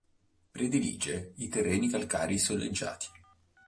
Predilige i terreni calcarei soleggiati.